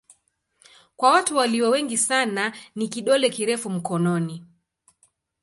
Kwa watu walio wengi sana ni kidole kirefu mkononi.